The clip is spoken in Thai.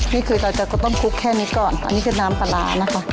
นี่คือเราจะต้มคลุกแค่นี้ก่อนอันนี้คือน้ำปลาร้านะคะ